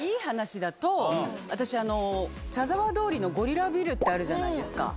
茶沢通りのゴリラビルってあるじゃないですか。